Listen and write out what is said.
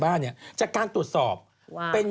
อึ่อออออออออหนังขึ้น